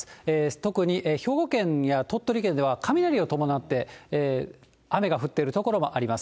特に兵庫県や鳥取県では、雷を伴って雨が降っている所もあります。